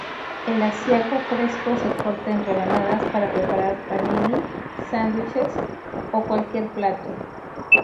El Asiago fresco se corta en rebanadas para preparar panini, sándwiches o cualquier plato.